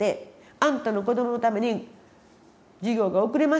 あんたの子どものために授業が遅れますと。